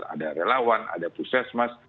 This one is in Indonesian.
ada relawan ada pusat mas